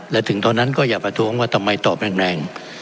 และถึงตอนนั้นก็อย่าประท้วงว่าทำไมตอบแรง